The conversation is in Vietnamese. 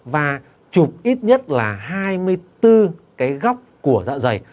và chụp ít nhất là hai mươi bốn cái góc của dạ dày